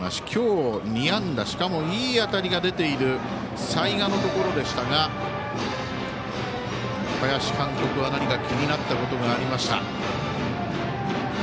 今日２安打しかも、いい当たりが出ている齊賀のところでしたが林監督は何か気になったことがありました。